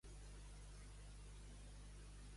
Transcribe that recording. I si el mal temps els enxampés?